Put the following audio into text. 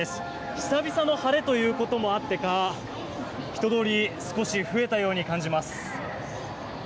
久々の晴れということもあってか人通りが少し増えたように感じます。